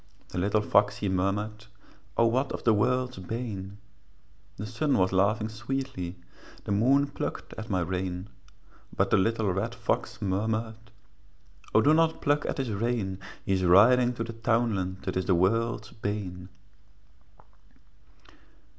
The little fox he murmured, 'O what is the world's bane?' The sun was laughing sweetly, The moon plucked at my rein; But the little red fox murmured, 'O do not pluck at his rein, He is riding to the townland That is the world's bane.'